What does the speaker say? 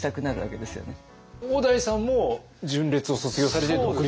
小田井さんも純烈を卒業されて独立。